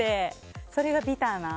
それがビターな。